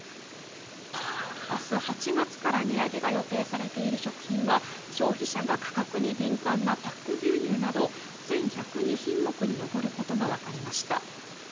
明日８月から値上げが予定されている食品は消費者が価格に敏感なパック牛乳など１１０２品目に上ることがわかりました。